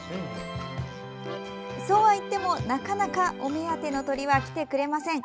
そうはいっても、なかなかお目当ての鳥は来てくれません。